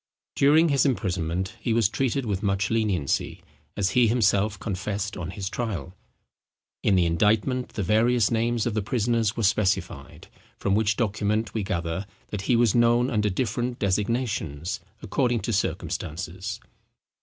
During his imprisonment he was treated with much leniency, as he himself confessed on his trial. In the indictment the various names of the prisoners were specified; from which document we gather that he was known under different designations according to circumstances.